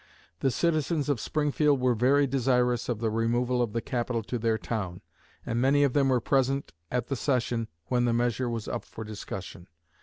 The citizens of Springfield were very desirous of the removal of the capital to their town, and many of them were present at the session when the measure was up for discussion.